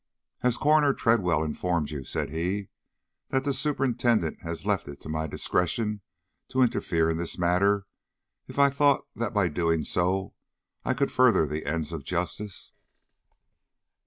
"Has Coroner Tredwell informed you," said he, "that the superintendent has left it to my discretion to interfere in this matter if I thought that by so doing I could further the ends of justice?"